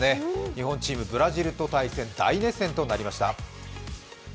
日本チーム、ブラジルと対戦、大熱戦となりました。